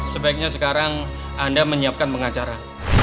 sebaiknya sekarang anda menyiapkan pengacara